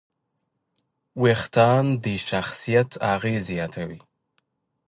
وېښتيان د شخصیت اغېز زیاتوي.